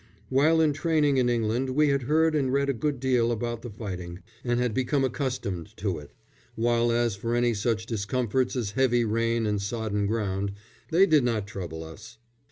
While in training in England we had heard and read a good deal about the fighting, and had become accustomed to it; while as for any such discomforts as heavy rain and sodden ground, they did not trouble us.